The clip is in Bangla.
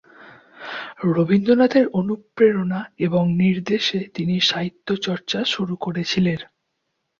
রবীন্দ্রনাথের অনুপ্রেরণা এবং নির্দেশে তিনি সাহিত্যচর্চা শুরু করেছিলেন।